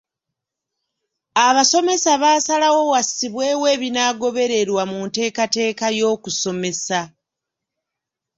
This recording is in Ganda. Abasomesa baasalawo wassibwewo ebinaagobererwa mu nteekateeka y'okusomesa.